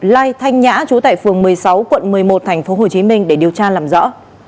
lai thanh nhã trú tại phường một mươi sáu quận một mươi một tp hcm để điều tra làm rõ